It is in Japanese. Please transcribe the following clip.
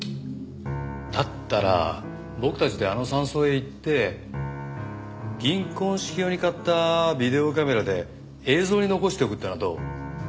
だったら僕たちであの山荘へ行って銀婚式用に買ったビデオカメラで映像に残しておくってのはどう？